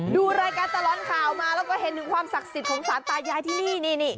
ดูรายการตลอดข่าวมาแล้วก็เห็นถึงความศักดิ์สิทธิ์ของสารตายายที่นี่